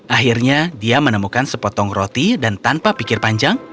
akhirnya dia menemukan sepotong roti dan tanpa pikir panjang